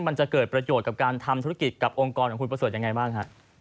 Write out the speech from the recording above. มันจะเกิดประโยชน์กับการทำธุรกิจกับองค์กรของคุณประเสริฐยังไงบ้างฮะ